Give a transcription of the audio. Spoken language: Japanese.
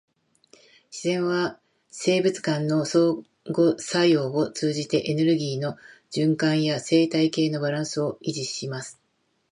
自然は生物間の相互作用を通じて、エネルギーの循環や生態系のバランスを維持します。